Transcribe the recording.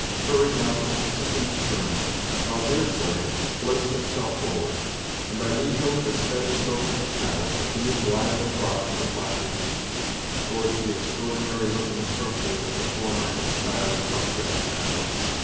Hurry now took the seat in the stern, while Deerslayer placed himself forward, and by leisurely but steady strokes of the paddles, the canoe glided across the placid sheet, towards the extraordinary looking structure that the former had styled Muskrat Castle.